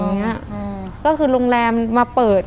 ทำไมเขาถึงจะมาอยู่ที่นั่น